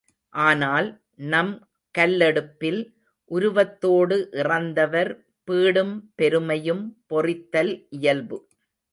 ஆனால், நம் கல்லெடுப்பில், உருவத்தோடு இறந்தவர் பீடும் பெருமையும் பொறித்தல் இயல்பு.